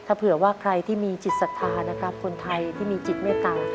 ถ้าเผื่อว่าใครที่มีจิตศรัทธานะครับคนไทยที่มีจิตเมตตา